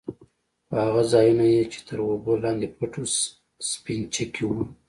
خو هغه ځايونه يې چې تر اوبو لاندې پټ وو سپينچکي وو.